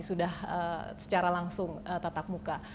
sudah secara langsung tatap muka